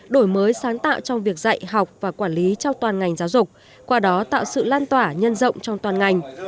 đổi mới sáng tạo trong việc dạy học và quản lý trong toàn ngành giáo dục qua đó tạo sự lan tỏa nhân rộng trong toàn ngành